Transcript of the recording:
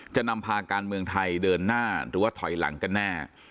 จะนำพาการเมืองไทยเดินหน้าหรือว่าถอยหลังกันแน่